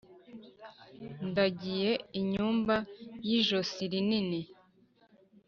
Ndagiye inyumba y'ijosi rinini,